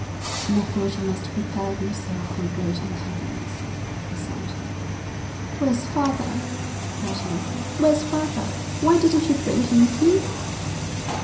'I'm afraid you must prepare yourself for a great unhappiness,' he said. 'Where's father?' cried Lucy. 'Where's father? Why didn't you bring him with you?'